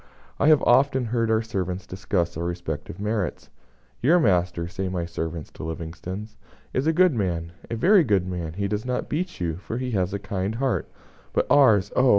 I have often heard our servants discuss our respective merits. "Your master," say my servants to Livingstone's, "is a good man a very good man; he does not beat you, for he has a kind heart; but ours oh!